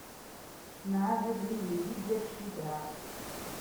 Mɛahaden ihi di Bir Cibaɛ.